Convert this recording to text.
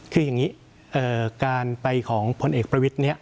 คืออย่างนี้ไรเป็นการไปทางพลเอกประวิส